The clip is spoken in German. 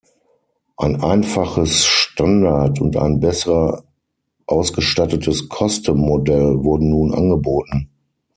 Ein einfaches "Standard"- und ein besser ausgestattetes "Custom"-Modell wurden nun angeboten.